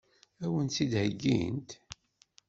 Ad wen-tt-id-heggint?